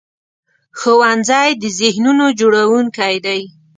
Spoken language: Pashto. ښوونځی د ذهنونو جوړوونکی دی